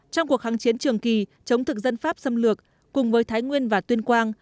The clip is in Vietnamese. trong cuộc kháng chiến trường kỳ chống thực dân pháp xâm lược cùng với thái nguyên và tuyên quang